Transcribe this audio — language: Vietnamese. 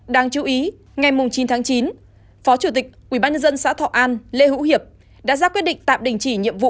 đáng chú ý ngày chín tháng chín phó chủ tịch ubnd xã thọ an lê hữu hiệp đã ra quyết định tạm đình chỉ nhiệm vụ